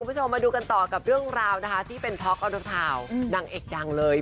พวกเรามาดูกันต่อกับเรื่องราวที่เป็นท็อกรอบนุนเท่านางเอกดังเลย